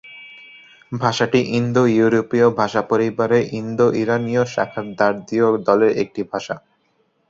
ভাষাটি ইন্দো-ইউরোপীয় ভাষা পরিবারের ইন্দো-ইরানীয় শাখার দার্দীয় দলের একটি ভাষা।